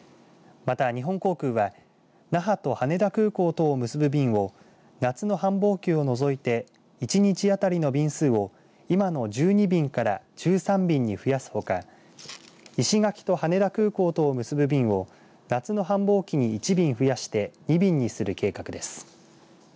また日本航空は那覇と羽田空港とを結ぶ便を夏の繁忙期を除いて１日当たりの便数を今の１２便から１３便に増やすほか石垣と羽田空港とを結ぶ便を夏の繁忙期に１便増やして２便にする計画です。